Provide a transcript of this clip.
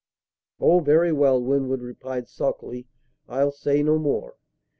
"Oh, very well," Winwood replied sulkily; "I'll say no more."